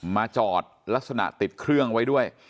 มาจอดลักษณะติดเครื่องไว้ด้วย